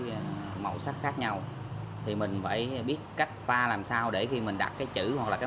cái màu sắc khác nhau thì mình phải biết cách pha làm sao để khi mình đặt cái chữ hoặc là cái